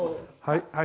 はい。